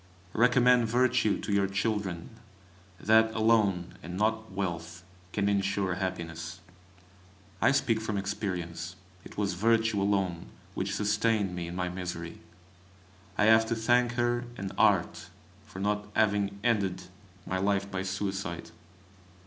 Recommend Virtue to your children; that alone, and not wealth, can ensure happiness. I speak from experience. It was Virtue alone which sustained me in my misery; I have to thank her and Art for not having ended my life by suicide.